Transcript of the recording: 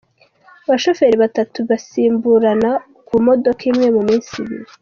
Abashoferi batatu basimburana ku modoka imwe mu minsi ibiri.